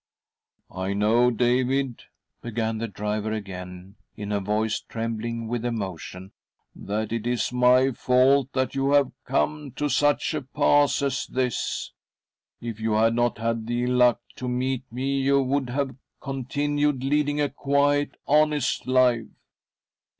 " I know, David," began the driver again, in. a voice trembling with emotion, " that it is my fault that you have come to such a pass as this. If you had n6t had the ill luck to meet me you would have continued leading a quiet, honest life.